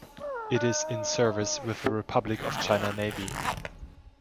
It is in service with the Republic of China Navy.